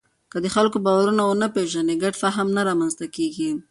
که د خلکو باورونه ونه پېژنې، ګډ فهم نه رامنځته کېږي.